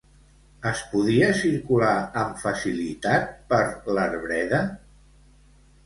Es podia circular amb facilitat per l'arbreda?